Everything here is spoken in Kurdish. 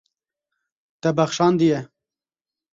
Te bexşandiye.